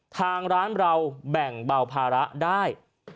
ทางร้านเราแบ่งเบาภาระได้